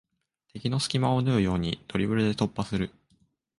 敵の隙間を縫うようにドリブルで突破する